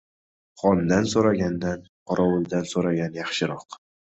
• Xondan so‘ragandan qorovuldan so‘ragan yaxshiroq.